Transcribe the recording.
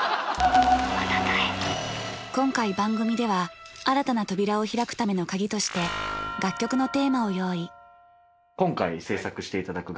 今回番組では新たな扉を開くための鍵として楽曲のテーマを用意